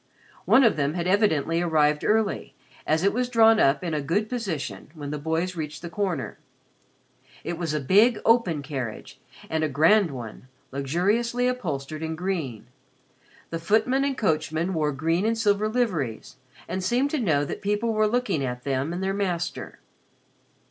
One of them had evidently arrived early, as it was drawn up in a good position when the boys reached the corner. It was a big open carriage and a grand one, luxuriously upholstered in green. The footman and coachman wore green and silver liveries and seemed to know that people were looking at them and their master.